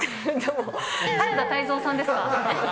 原田泰造さんですか？